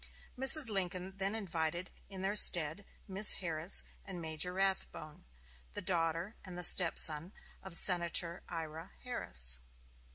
Mrs. Lincoln then invited in their stead Miss Harris and Major Rathbone, the daughter and the stepson of Senator Ira Harris.